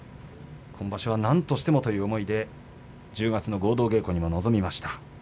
ことしはなんとしてもという思いで１０月の合同稽古にも臨みました。